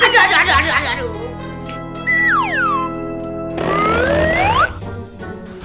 aduh aduh aduh aduh